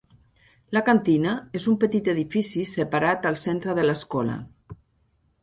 La cantina és un petit edifici separat al centre de l'escola.